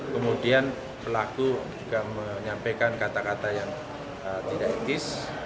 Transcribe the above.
kemudian pelaku juga menyampaikan kata kata yang tidak etis